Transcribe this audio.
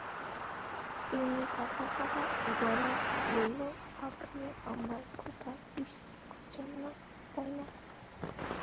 তিন্নি কাটা-কটা গলায় বলল, আপনি আমার কথা বিশ্বাস করছেন না, তাই না?